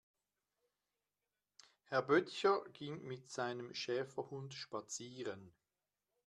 Herr Böttcher ging mit seinem Schäferhund spazieren.